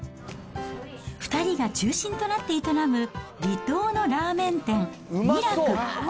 ２人が中心となって営む離島のラーメン店、味楽。